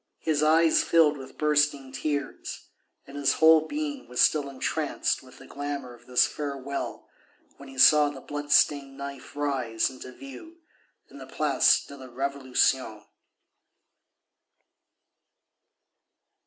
His eyes filled with bursting tears, and his whole being was still entranced with the glamour of this farewell when he saw the blood stained knife rise into view in the Place de la Révolution.